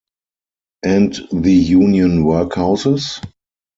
And the Union workhouses?